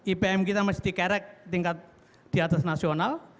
ipm kita mesti kerek tingkat di atas nasional